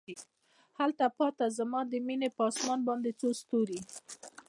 هلته پاته زما د میینې په اسمان باندې څو ستوري